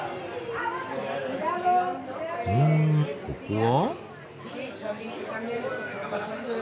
んここは？